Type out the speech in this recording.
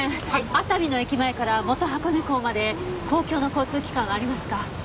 熱海の駅前から元箱根港まで公共の交通機関はありますか？